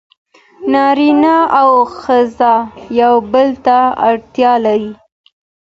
نارینه او ښځه یو بل ته اړتیا لري.